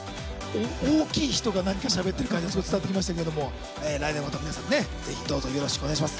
大きい人がなんかしゃべってる感じがすごい伝わってきましたけども来年もまた皆さんねぜひどうぞよろしくお願いします。